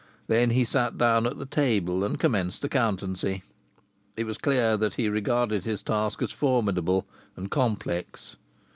Then he sat down at the table and commenced accountancy. It was clear that he regarded his task as formidable and complex.